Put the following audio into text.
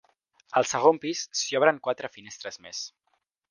Al segon pis s'hi obren quatre finestres més.